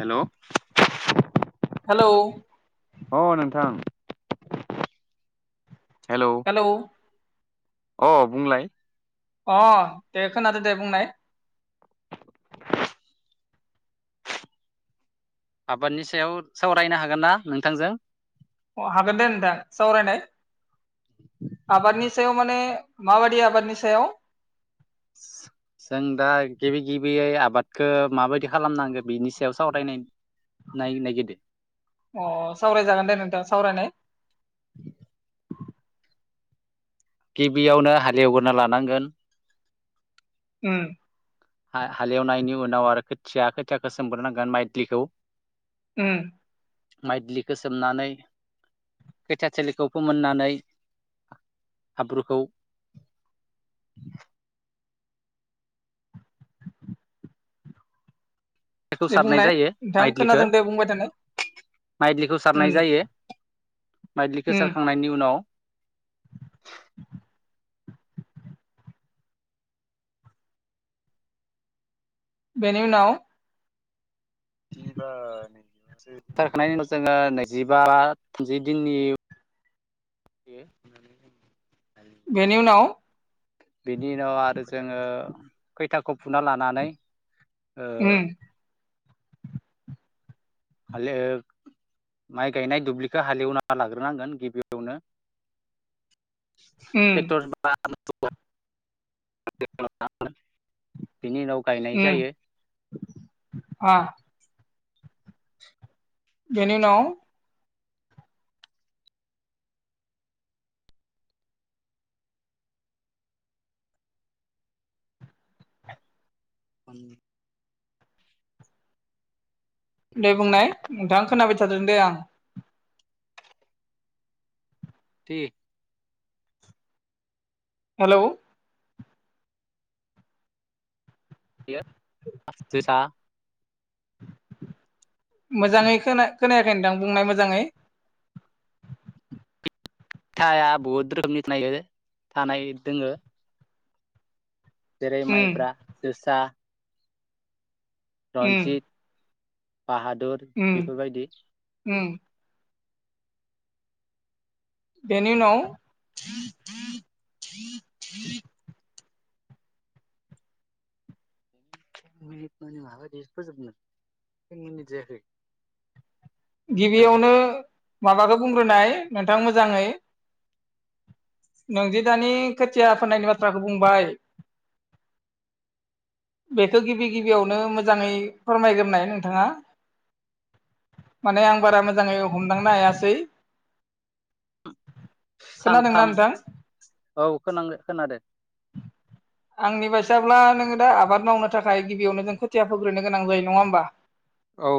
Hello hello अ नोंथां hello. Hello अ बुंलाय। अ दे खोनादो दे बुंनाय। आबादनि सायाव सावरायनो हागोन ना नोंथांजों? अ हागोन दे नोंथां सावरायनाय आबादनि सायाव माने माबादि आबादनि सायाव। [inaudible] जों दा गिबि-गिबियै आबादखो माबायदि खालामनांगो बेनि सायाव सावरायनाय नाय नायगिरदो। अ सावरायजागोन दे नोंथां सावरायनाय। गिबियावनो हालेवग्रोना लानांगोन। उम। हा-हालेवनायनि उनाव आरो खोथिया-खोथियाखौ सोमब्रोनांगोन माइथलिखौ। उम माइदलिखो सोमनानै खोथिया थिलिखौ फोमोननानै हाब्रुखौ खौ दे सारनाय बुंनाय जायो नोंथां खोनादों दे बुंबाय थानाय। माइदलिखौ सारनाय उम जायो माइदलिखौ उम सारखांनायनि उनाव बेनि उनाव जिबा नि सारखांनायनि उनाव जोङो नैजिबा थामजि दिननि [unintelligible] बेनि उनाव बेनि उनाव आरो जोङो खैथाखौ फुना लानानै ओ उम हाले माइ गायनाय दुब्लिखो हालेवना लाग्रोनांगोन गिबियावनो उम टेक्टर बा [inaudible] बिनि उनाव गायनाय उम जायो आ। बेनि उनाव [unintelligible] दे बुंनाय नोंथां खोनाबाय थादों दे आं। थे हेलौ। [unintelligible] जोसा मोजाङै खोना-खोनायाखै नोंथां बुंनाय मोजाङै। [unintelligible] बहुद रोखोमनि [unintelligible] थानाय दोङो जेरै उम माइब्रा जोसा उम रन्जित बाहादुर उम बेफोरबायदि। उम। बेनि उनाव [inaudible] मिनिट मानि माबायदि फोजोबनो टेन मिनिट जायाखै। गिबियावनो माबाखो बुंग्रोनाय नोंथां मोजाङै। नोंदि दानि खोथिया फोननायनि बाथ्राखौ बुंबाय। बेखो गिबि-गिबियावनो मोजाङै फोरमायग्रोनाय नोंथाङा। माने आं बारा मोजाङै हमदांनो हायासै। खोनादोंना सानथाम नोंथां औ खोनां-खोनादो। आंनि बायसाब्ला नोङो दा आबाद मावनो थाखाय गिबियावनो खोथिया फोग्रोनो गोनां जायो नङा होमबा। औ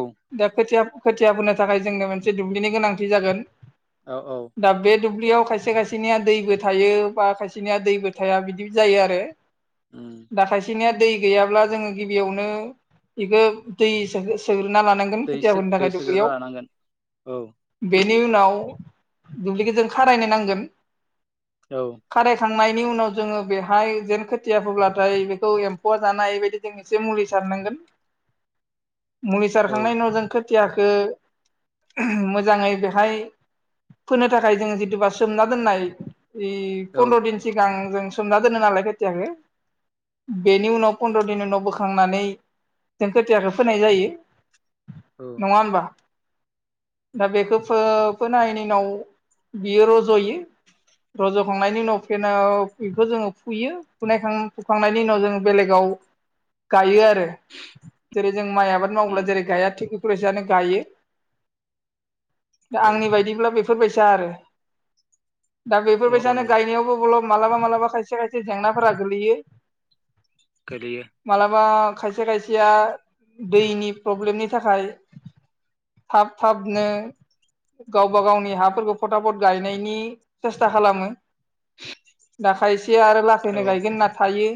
दा खोथिया-खोथिया फोनो थाखाय जोंनो मोनसे दुब्लिनि गोनांथि जागोन। औ-औ। दा बे दुब्लियाव खायसे खायसेनिया दैबो थायो बा खायसेनिया दैबो थाया बिदि जायो आरो। उम दा खायसेनिया दै गैयाब्ला जोङो गिबियावनो बेखो दै सोग-सोग्रोना लानां गोन दै खोथिया सो फोनो दै थाखाय सोग्रोना दुब्लियाव। लानांगोन औ बेनि उनाव दुब्लिखो जों खारायनो नांगोन। औ। खारायखांनायनि उनाव जोङो बेहाय जेन खोथिया फ्लाथाय बेखौ एम्फौआ जानायबायदि ज एसे मुलि सारनांगोन मुलि औ सारखांनायनि उनाव जों खुथियााखो मोजाङै बेहाय फोनो थाखाय जोङ जिथुबा सोमना दोननाय औ पन्द्र' दिन सिगां जों सोमना दोनो नालाय खोथियाखौ बेनि उनाव फन्द्र' दिन उनाव बोखांनानै जों खोथियाखौ फोनाय जायो। औ नङा होमबा? दा बेखौ फो-फोनायनि उनाव बियो रज'यो। रज'खांनायनि उनाव फेनाव बेखौ जोङो फुयो। फनायखां -फुखांनायनि उनाव जों बेलेगाव गायो आरो जेरै जों माइ आबाद मावब्ला उम जेरै गाया थिग बेबायदिनो गायो। दा औ आंनि बायदिब्ला बेफोरबायसा आरो। दा औ औ बेफोरबायदियानो नंगौ गायनायावबो बब मालाबा मालाबा खायसे -खायसे जेंनाफोरा गोगलैयो गोलैयो मालाबा खायसे खायसेया दैनि प्रब्लेमनि थाखाय थाब- थाबनो गावबा गावनि हाफोरखौ फथाफट गायनायनि सेस्था खालामो। दा खायसे आरो लासैनो औ गायगोन होन्ना थायो।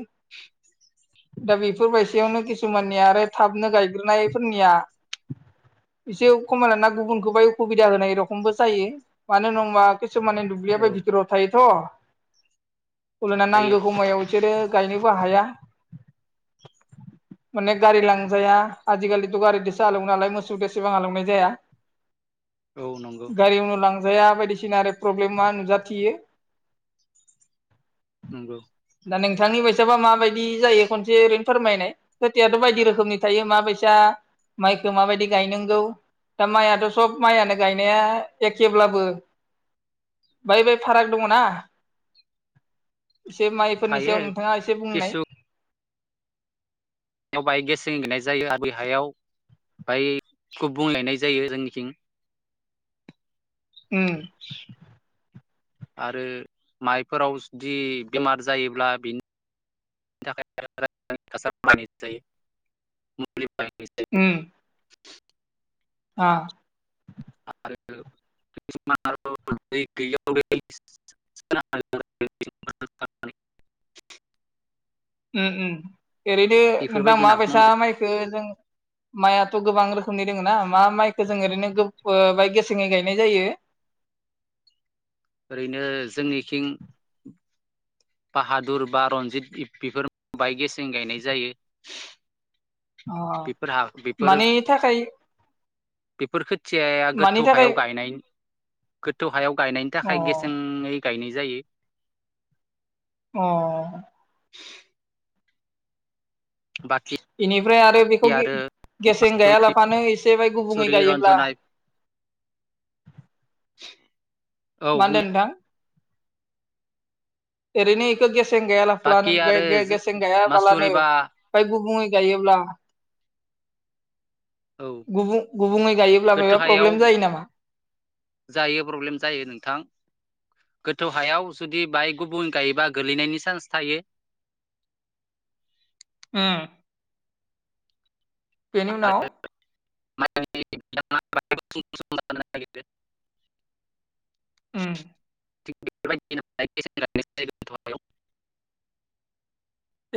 दा बेफोरबायदियावनो किसुमाननिया आरो थाबनो गायग्रोनायफोरनिया [inaudible] एसे खमाय ना गुबुनखौ ब उसुबिदा होनाय ए रखमबो जायो मानो होनबा किसुमान औ बिथोराव थायो थायोथ'ांगौ [unintelligible] समायाव बिसोरो गायनोबो हाया [inaudible] अनेक गारि लांजाया आजिखालिथ' गारिजोसो हालौवो नालाय मोसौजो एसेबां हालौनाय जाया। औ नंगौ गारियावनो लांजाया बायदिसिना आरो प्रब्लेमा नुजाथियो। नंगौ। दा नोंथांनि बायसाबा माबायदि जायो खनसे ओरैनो फोरमायनाय खोथियाथ' बायदि रोखोमनि थायोसा बायसाखौ माबायदि गायनांगौ। दा माइयाथ' सब माइयनो गायनाया एखेब्लाबो बाहाय बे फाराग दङ ना? बे माइफोरनि थायो सायाव नोंथाङा एसे बुंनाय किसु इयाव बाय गेसें गायनाय जायो आरो बै हायाव बाय गुबुं गायनाय जायो जोंनिथिं। ओ आरो माइफोराव जुदि बेमार जायोब्ला बिनि ब मुलि [unintelligible] उम आ आरो म गैयाव [unintelligible] उम, उम ओरैनो नोंथां नाखौ मावनाय मााबायसा जायो माइखो जों माइआथ' गोबां रोखोमनि दोङो ना मा माइखौ जों ओरैनो बाय गेसेङै गायनाय जायो? ओरैनो जोंनिथिं बाहादुर बा रनजित बेफोर बाय गेसजों गायनाय जायो। अ बिफोर ह बिफोर मानि [unintelligible] थाखाय बेफोर खोथियाया मानि गोथौ थाखाय हायाव गायनि गोथौ हायाव गायनायनि अ थाखाय गेसेङै गायनाय जायो। अ, अ बाखि बेनिफ्राय आरो बेखौ आरो गेसें मासुरि गायालाफानो एसे बाय गुबुंङै गायोब्ला रन्जना औ मा होनदों बुंनाय नोंथां ओरैनो इखौ गेसें बाखि आरो गायालाफानोगे गेसें लाबानो मासुरिबा ओमफ्राय गुबुंङै गायोब्ला औ गुब गुबुङै गायोब्ला गोथौ माबा हायाव प्रब्लेम जायो नामा जायो प्रब्लेम जायो नोंथां गोथौ हायाव जुदि बाहाय गुबुन गायोबा गोलैनायनि चान्स थायो [unintelligible] बेनि उनाव म [unintelligible] उम [unintelligible]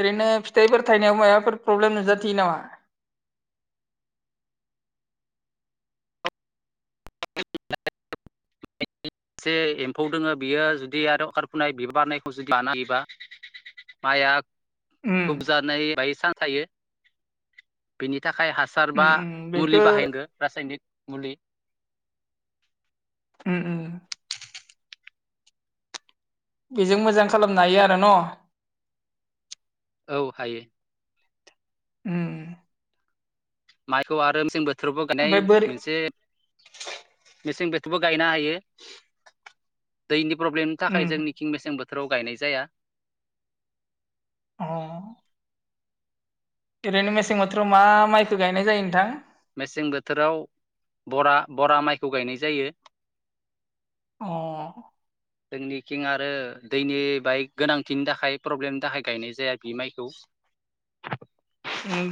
ओरैनो फिथाइफोर थाइनायाव माबाफोर प्रब्लेम नुजाथियो नामा एसे एम्फौ दोङो बियो जुदि आरो खारारफुनाय बिबारनायखौ जुदि लानो हायोबा माया उम बजानाय बायदि चान्स थायो बेनि थाखाय हासार उम बा उम मुलि बेखौ बाहायनांगो रासायनिक मुलि उम उम बेजों मोजां खालामनो हायो आरो न' औ हायो उम माइखौ आरो मेसें बोथोरावबो गायनाय ओमफ्राय बोरै मोनसे मेसें बोथोरावबो गायनो हायो दैनि प्रब्लेमनि उम थाखाय जोंनि खिं मेसें बोथोराव गायनाय जाया अ ओरैनो मेसें बोथोराव मा माइखौ गायनाय जायो नोंथां मेसें बोथोराव बरा बरा माइखौ गायनाय जायो अ जोंनिथिंआरो दैनि बाहाय गोनांथिनि थाखाय प्रब्लेमनि थाखाय गायनाय जाया बि माइखौ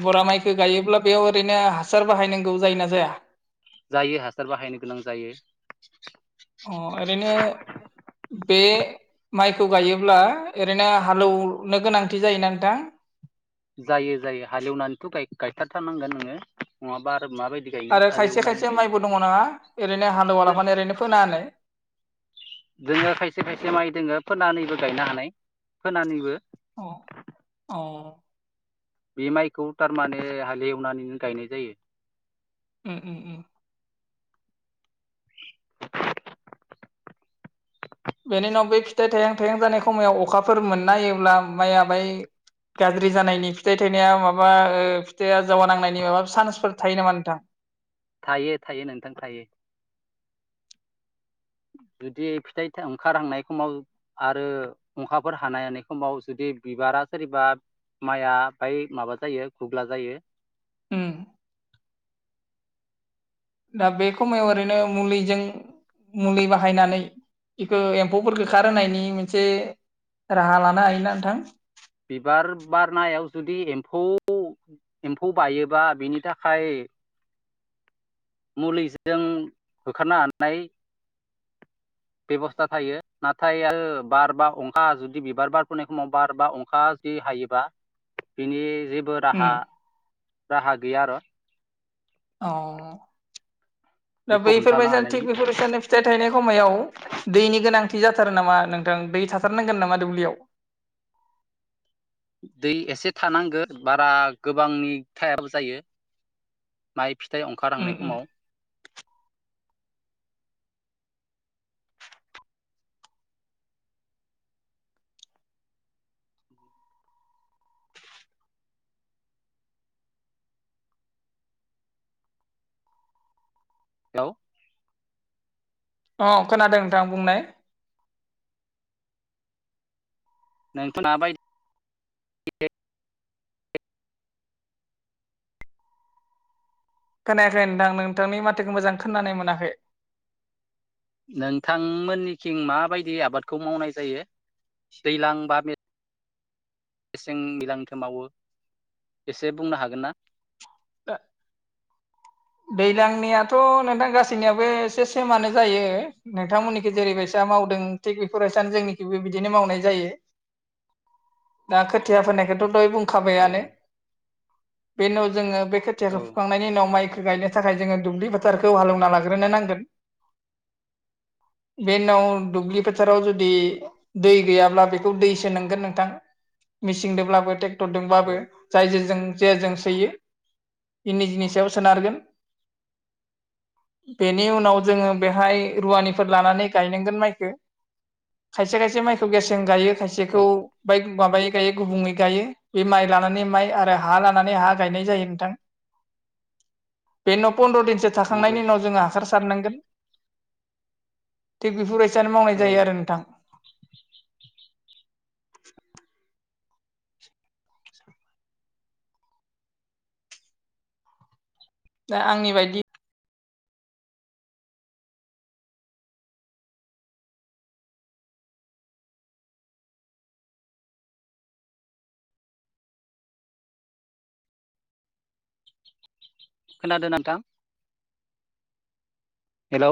बरा माइखौगायोब्ला बेयाव ओरैनो हासार बाहायनांगौ जायोना जाया जायो हासार बाहायनो गोनां जायो अ ओरैनो बे माइखौ गायोब्ला ओरैनो हालौनो गोनांथि जायोना नोंथां जायो जायो हालेवनानैथ' गायखाथारनांगोन नोङो नङाबा आरो माबायदि गायनो आरो खायसे हालेवनानै खायसे गाय माइबो दङ ना ओरैनो हालवालाफानो ओरैनो फोना होनानै दोंङो खायसे खायसे माइ दोङो फोनानैबो गायनो हानाय फोनानैबो अ औ बे माइखौ थारमाने हालेवनानैनो गायनाय जायो [unintelligible] बेनि उनाव बे फिथाइ थाइहां थायहांजानाय समायाव अखाफोर मोननाहोयोब्ला माइ आ बाय गाज्रि जानायनि फिथाइ थायनाया माबा फिथाइा जावगा नांनायनि माबा चान्सफोर थायो नामा नोंथां थायो थायो नोंथां थायो जुदि फिथाइ ओंखारहांनाय समाव आरो अखाफोर हानाय हानाय समाव जुदि बिबारा सोरिबा माइआ बाय माबा जायो गुग्ला जायो उम दा बे खमायाव ओरैनो मुलिजों मुलि बाहायनानै बेखौ एम्फौफोरखौ खारहोनायनि मोनसे राहा लानो हायोना नोंथां बिबार बारनायाव जुदि एम्फौ एम्फौ बायोबा बिनि थाखाय मुलिजों होखारनो हानाय बेबस्था थायो नाथाय आरो बार बा अंखा जुदि बिबार बारफोननाय समाव बार बा अंखा अखा जि हायोबा बिनि जेबो उम राहा राहा गैया आरो। औ दा बेखौ हमथानो बैफोरबायदिनो थिग हानायनि बेफोरबायसानो फिथाइ थायनाय खायाव दैनि गोनांथि जाथारो नामा नोंथां दै थाथारनांगोन नामा दुब्लियाव। दै एसे थानांगो बारा गोबांनि थायाबाबा जायो। माइ फिथाइ ओंखार उम हांनाय उम समाव। हेल'। अ खोनादों नोंथां बुंनाय। नोंथाङा बायदि खोनायाखै नोंथां नोंथांनि माथोखौ मोजां खोनानाय मोनाखै। नोंथांमोननिथिं मा बायदि आबादखौ मावनाय जायो? दैलां बा‌ मेसें मेसें दैज्लां मावो एसे बुंनो हागोन ना? [unintelligible] दैज्लांनियाथ' नोंथां गासैनियाबो एसे सेमानो जायो। नोंथांमोननिखि जेरैबायसा मावदों थिग बेफोरबायसानो जोंनिखिबो बिदिनो मावनाय जायो। [inaudible] दा खोथिया फोननायखौथ' दहाय बुं औ खाबायानो। बे उनाव जोङो बे औ खोथियाखौ फुखांनायनि उनाव माइखौ गायनो नि थाखाय जोङो दुब्लि फोथारखौ हालेवना लाग्रोनो नांगोन। [inaudible] बे उनाव दुब्लि फोथाराव जुदि दै गैयाब्ला बेखौ दैसो नोंगोन नोंथां। मिेचिनदोंब्लाबो ट्रेक्टरदोंब्लाबो औ जाय जजों जे जों सोयो। इनि जिनि सायाव सोनारगोन। बेनि उनाव जोङो बेहाय रुवानिफोर लानानै गायनांगोन माइखो खायसे खायसे माइखौ गेसजों गायो औ खायसेखौ बाय माबाय गायो गुबुयै गायो। बे माइ लानानै माइ आरो हा लानानै हा गायनाय जायो। बे उनाव फन्द्र दिनसो नंगौ थाखांनायनि उनाव जोङो हासार सारनांगौ जायो। थिग बेफोरबायसानो मावनाय औ जायो आरो नोंथां। दा आंनि बायदि खोनादोंना नोंथां? हेल'।